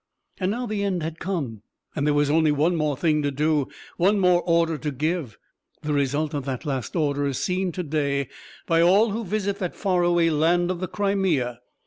And now the end had come, and there was only one more thing to do, one more order to give; the result of that last order is seen to day by all who visit that far away land of the Crimea.